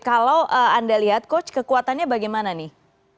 kalau anda lihat coach kekuatannya bagaimana nih